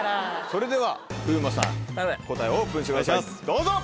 それでは風磨さん答えをオープンしてくださいどうぞ！